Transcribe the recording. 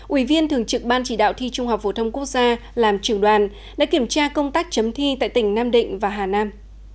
ủy viên thường trực ban chỉ đạo thi trung học phổ thông quốc gia làm trưởng đoàn đã kiểm tra công tác chấm thi tại tỉnh nam định và hà nam